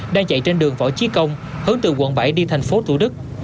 đang chạy trên đường võ trí công hướng từ quận bảy đi thành phố thủ đức